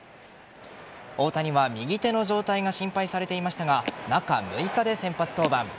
大谷は、右手の状態が心配されていましたが中６日で先発登板。